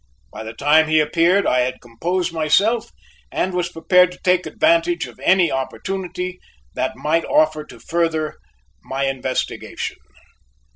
By the time he appeared I had composed myself and was prepared to take advantage of any opportunity that might offer to further my investigation.